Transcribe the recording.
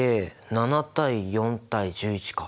７対４対１１か。